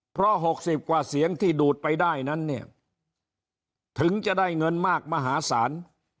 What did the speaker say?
เพราะ๖๐กว่าเสียงที่ดูดไปได้นั้นเนี่ยถึงจะได้เงินมากมหาศาล